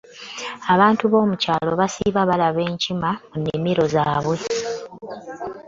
Abantu bomukyalo basiba balaba enkima mu nnimiro zabwe.